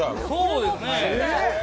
そうですね。